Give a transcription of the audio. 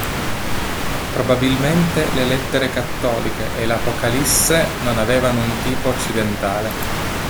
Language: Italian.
Probabilmente le lettere cattoliche e l"'Apocalisse" non avevano un tipo occidentale.